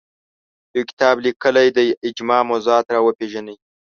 یو کتاب لیکلی دی اجماع موضوعات راوپېژني